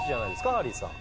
ハリーさん。